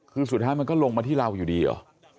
คือสุดท้ายมันก็ลงมาที่เราอยู่ดีเหรอ